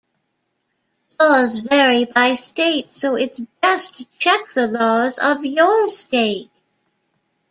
Laws vary by state so it's best to check the laws of your state.